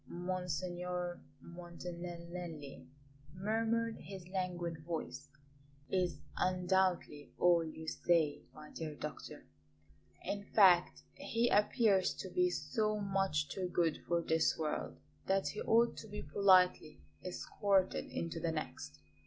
"Monsignor Montan n nelli," murmured this languid voice, "is undoubtedly all you say, my dear doctor. In fact, he appears to be so much too good for this world that he ought to be politely escorted into the next.